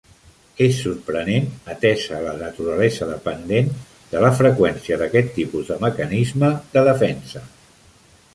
És sorprenent atesa la naturalesa dependent de la freqüència d'aquest tipus de mecanisme de defensa.